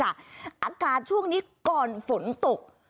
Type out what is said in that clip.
อากาศช่วงนี้ก่อนฝนตก